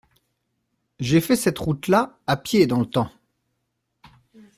J'ai fait cette route-là, à pied, dans le temps.